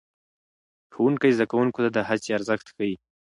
ښوونکی زده کوونکو ته د هڅې ارزښت ښيي